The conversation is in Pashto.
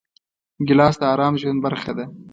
ګیلاس د ارام ژوند برخه ده.